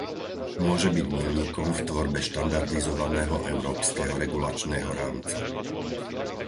Môže byť míľnikom v tvorbe štandardizovaného európskeho regulačného rámca.